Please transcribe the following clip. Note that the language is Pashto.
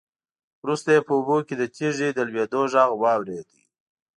وروسته يې په اوبو کې د تېږې د لوېدو غږ واورېد.